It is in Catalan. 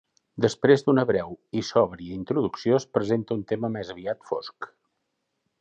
Després d'una breu i sòbria introducció es presenta un tema més aviat fosc.